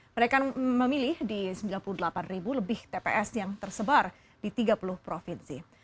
mereka memilih di sembilan puluh delapan ribu lebih tps yang tersebar di tiga puluh provinsi